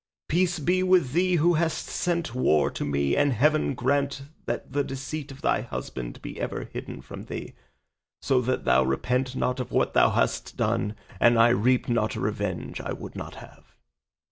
Peace be with thee who hast sent war to me, and Heaven grant that the deceit of thy husband be ever hidden from thee, so that thou repent not of what thou hast done, and I reap not a revenge I would not have.